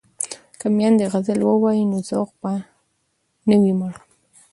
که میندې غزل ووايي نو ذوق به نه وي مړ.